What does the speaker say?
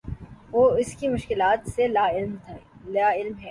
وہ اس کی مشکلات سے لاعلم ہے